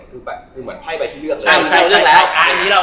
คือแบบไพ่ไปที่เลือกเลย